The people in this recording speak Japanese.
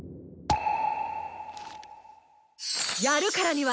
やるからには！